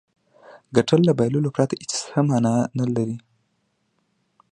ګټل له بایللو پرته څه معنا لري.